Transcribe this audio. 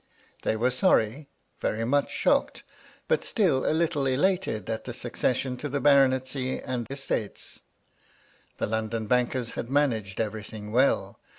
They were sorry ; very much shocked ; but still a little elated at the succession to the baronetcy and estates. The London bankers had managed everything well.